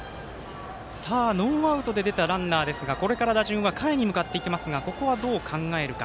ノーアウトで出たランナーですがこれから打順は下位に向かっていきますがどう考えるか。